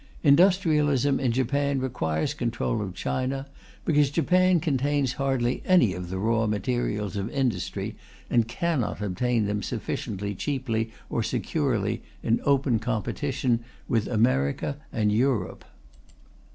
Industrialism in Japan requires control of China, because Japan contains hardly any of the raw materials of industry, and cannot obtain them sufficiently cheaply or securely in open competition with America and Europe.